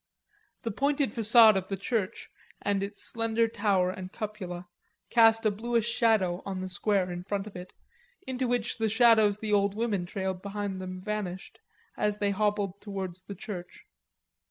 The pointed facade of the church and its slender tower and cupola cast a bluish shadow on the square in front of it, into which the shadows the old women trailed behind them vanished as they hobbled towards the church.